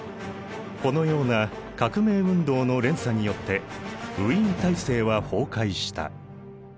このような革命運動の連鎖によってウィーン体制は崩壊した。